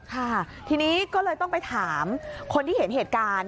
ค่ะทีนี้ก็เลยต้องไปถามคนที่เห็นเหตุการณ์